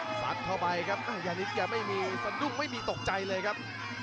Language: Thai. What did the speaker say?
สัดเข้าไปครับยานิดแกไม่มีสะดุ้งไม่มีตกใจเลยครับ